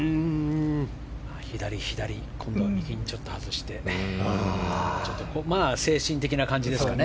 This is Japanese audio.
左、左、今度は右にちょっと外して精神的な感じですかね。